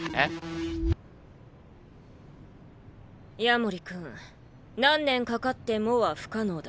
夜守君「何年かかっても」は不可能だ。